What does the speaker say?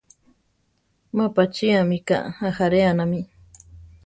Má pachía mika ajáreanami.